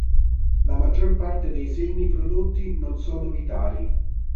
La maggior parte dei semi prodotti non sono vitali.